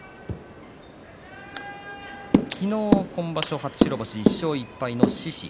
昨日、今場所、初白星１勝１敗の獅司。